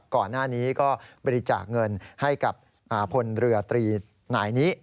ก่อนหน้านี้ก็บริจาคเงินให้กับพลเรือตรีนายนี้